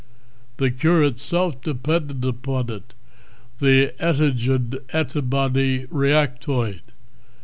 "The Cure itself depedded upod it the adtiged adtibody reactiod.